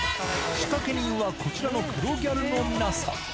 仕掛け人はこちらの黒ギャルの皆さん。